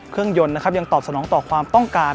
เครื่องยนต์นะครับยังตอบสนองต่อความต้องการ